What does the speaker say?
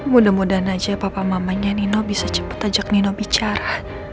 mudah mudahan aja papa mamanya nino bisa cepat ajak nino bicara